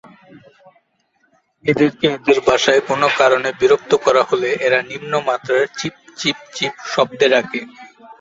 এদেরকে এদের বাসায় কোন কারণে বিরক্ত করা হলে, এরা নিম্ন মাত্রার চিপ-চিপ-চিপ শব্দে ডাকে।